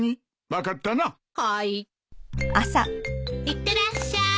いってらっしゃい。